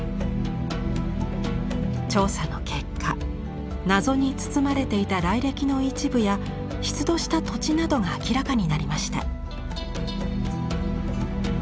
調査の結果謎に包まれていた来歴の一部や出土した土地などが明らかになりました。